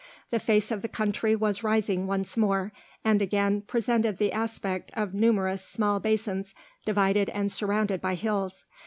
The face of the country was rising once more, and again presented the aspect of numerous small basins divided and surrounded by hills.